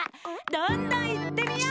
どんどんいってみよう！